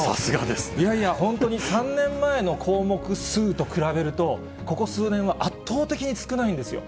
いやいや、本当に、３年前の項目数と比べると、ここ数年は圧倒的に少ないんですよ。